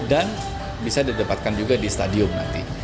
dan bisa didapatkan juga di stadion nanti